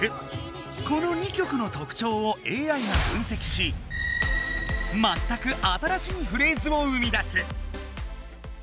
この２曲のとくちょうをＡＩが分せきしまったく新しいフレーズを生み出す！